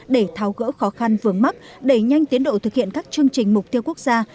để tháo gỡ khó khăn vướng mắt đẩy nhanh tiến độ thực hiện các chương trình mục tiêu quốc gia